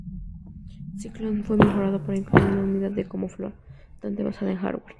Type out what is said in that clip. Cyclone fue mejorado para incluir una unidad de coma flotante basada en hardware.